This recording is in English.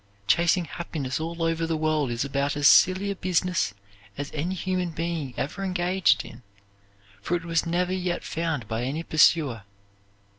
Chasing happiness all over the world is about as silly a business as any human being ever engaged in, for it was never yet found by any pursuer.